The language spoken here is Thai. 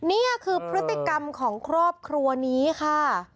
นี่คือพฤติกรรมของครอบครัวนี้ค่ะ